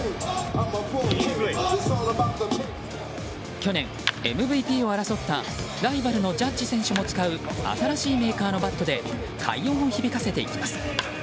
去年、ＭＶＰを争ったライバルのジャッジ選手も使う新しいメーカーのバットで快音を響かせていきます。